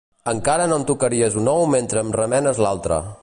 Encara no em tocaries un ou mentre em remenes l'altre!